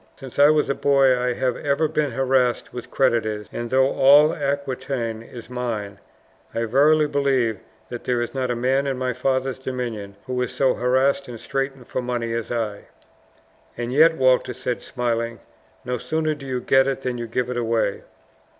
"Since I was a boy I have ever been harassed with creditors; and though all Aquitaine is mine, I verily believe that there is not a man in my father's dominions who is so harassed and straitened for money as I." "And yet," Walter said, smiling, "no sooner do you get it than you give it away."